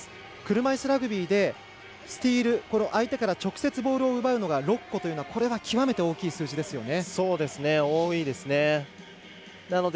車いすラグビーでスチール相手から直接ボールを奪うのが６個というのはこれは極めて大きい数字ですよね。